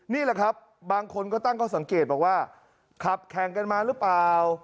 นี่แหละครับบางคนก็ตั้งข้อสังเกตบอกว่าขับแข่งกันมาหรือเปล่า